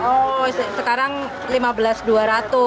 oh sekarang rp lima belas dua ratus